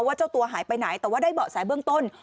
เจ้าตัวหายไปไหนแต่ว่าได้เบาะแสเบื้องต้น